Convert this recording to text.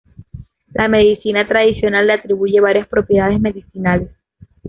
La medicina tradicional le atribuye varias propiedades medicinales.